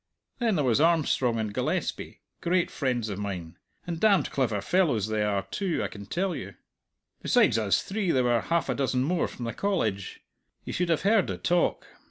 Then there was Armstrong and Gillespie great friends of mine, and damned clever fellows they are, too, I can tell you. Besides us three there were half a dozen more from the College. You should have heard the talk!